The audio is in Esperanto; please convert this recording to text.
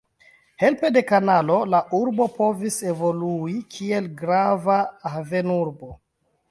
Helpe de kanalo la urbo povis evolui kiel grava havenurbo.